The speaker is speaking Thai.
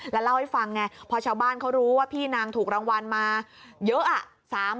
แล้วเล่าให้ฟังไงพอชาวบ้านเขารู้ว่าพี่นางถูกรางวัลมาเยอะ